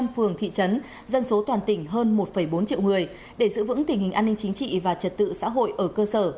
một trăm phường thị trấn dân số toàn tỉnh hơn một bốn triệu người để giữ vững tình hình an ninh chính trị và trật tự xã hội ở cơ sở